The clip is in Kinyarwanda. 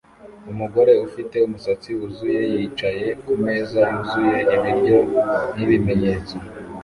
Umugore ufite umusatsi wuzuye yicaye kumeza yuzuye ibiryo nibimenyetso